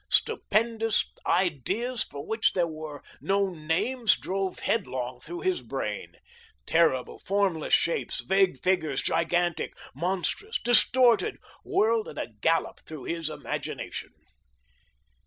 Stupendous ideas for which there were no names drove headlong through his brain. Terrible, formless shapes, vague figures, gigantic, monstrous, distorted, whirled at a gallop through his imagination.